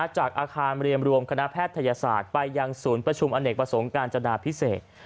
จากอาคารเรียมรวมคณะแพทยศาสตร์ไปยังศูนย์ประชุมอเนกประสงค์การจนาพิเศษ